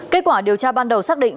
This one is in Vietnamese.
kết quả điều tra ban đầu xác định